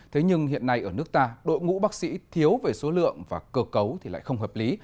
thế nhưng hiện nay ở nước ta đội ngũ bác sĩ thiếu về số lượng và cơ cấu thì lại không hợp lý